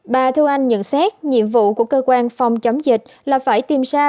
bà thu anh nhận xét nhiệm vụ của cơ quan phòng chống dịch là phải tìm ra